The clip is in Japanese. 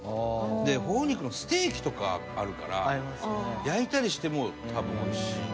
頬肉のステーキとかあるから焼いたりしても多分おいしい。